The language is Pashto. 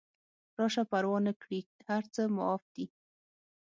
راشه پروا نکړي هر څه معاف دي